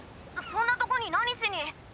そんなとこに何しに？